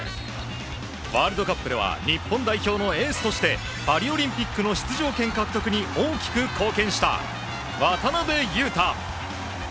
ワールドカップでは日本代表のエースとしてパリオリンピックの出場権獲得に大きく貢献した渡邊雄太。